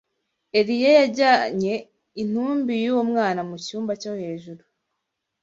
Eliya yajyanye intumbi y’uwo mwana mu cyumba cyo hejuru